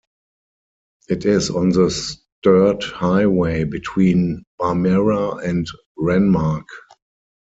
It is on the Sturt Highway between Barmera and Renmark.